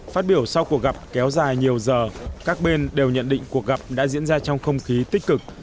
phát biểu sau cuộc gặp kéo dài nhiều giờ các bên đều nhận định cuộc gặp đã diễn ra trong không khí tích cực